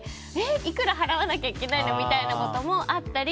いくら払わなきゃいけないの？みたいなこともあったり。